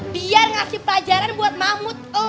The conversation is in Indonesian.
biar ngasih pelajaran buat mamut elo itu